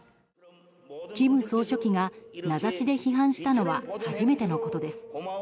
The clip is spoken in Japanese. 金総書記が名指しで批判したのは初めてのことです。